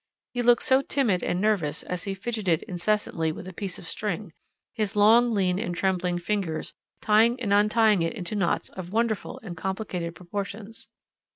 He looked so timid and nervous as he fidgeted incessantly with a piece of string; his long, lean, and trembling fingers tying and untying it into knots of wonderful and complicated proportions.